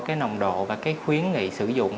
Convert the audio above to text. với nồng độ và khuyến nghị sử dụng